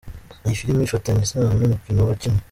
Iyi filimi ifitanye isano n'umukino wakinwe.